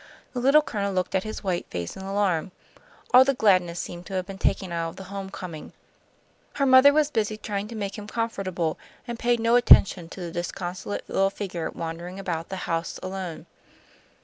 The Little Colonel looked at his white face in alarm. All the gladness seemed to have been taken out of the homecoming. Her mother was busy trying to make him comfortable, and paid no attention to the disconsolate little figure wandering about the house alone.